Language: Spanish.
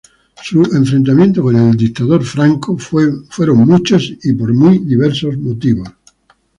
Sus enfrentamientos con el dictador Franco fueron muchos y por muy diversos motivos.